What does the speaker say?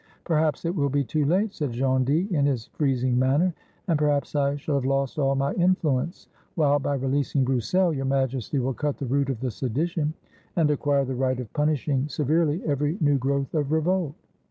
" Perhaps it will be too late," said Gondy, in his freez ing manner, "and perhaps I shall have lost all my influ ence; while by releasing Broussel Your Majesty will cut the root of the sedition, and acquire the right of punish ing severely every new growth of revolt."